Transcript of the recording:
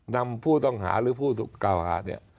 นำผู้ต้องหาหรือผู้กาวหา